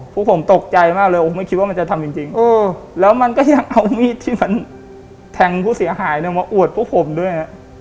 พวกผมตกใจมากเลยไม่คิดว่ามันจะทำจริงแล้วมันก็ยังเอามีดที่มันแทงผู้เสียหายเนี่ยมาอวดพวกผมด้วย